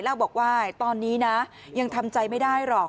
แล้วบอกว่าตอนนี้นะยังทำใจไม่ได้หรอก